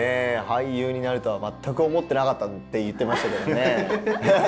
俳優になるとは全く思ってなかったって言ってましたけどもね。